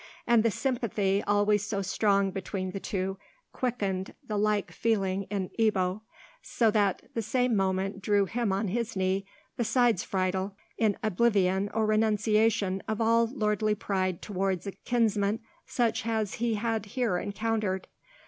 And the sympathy always so strong between the two quickened the like feeling in Ebbo, so that the same movement drew him on his knee beside Friedel in oblivion or renunciation of all lordly pride towards a kinsman such as he had here encountered.